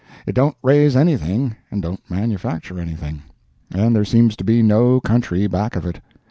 It don't raise anything and don't manufacture anything, and there seems to be no country back of it.